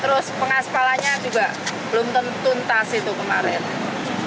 terus pengaspalannya juga belum tentu tuntas itu kemarin